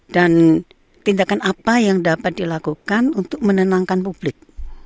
dan tindakan apa yang dapat dilakukan untuk menenangkan publik